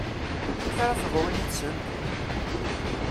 Amek ara teḍru yid-sent?